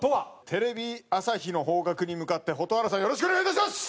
テレビ朝日の方角に向かって蛍原さんよろしくお願いいたします！